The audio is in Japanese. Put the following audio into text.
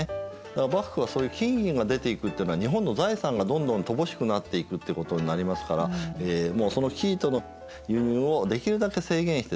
だから幕府はそういう金・銀が出ていくってのは日本の財産がどんどん乏しくなっていくってことになりますからその生糸の輸入をできるだけ制限してですね